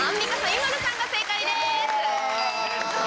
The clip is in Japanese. ＩＭＡＬＵさんが正解です。